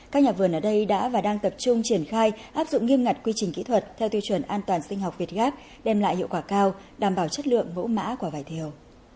các nhà vườn ở đây đã và đang tập trung triển khai áp dụng nghiêm ngặt quy trình kỹ thuật theo tiêu chuẩn an toàn sinh học việt gáp đem lại hiệu quả cao đảm bảo chất lượng mẫu mã của vải thiều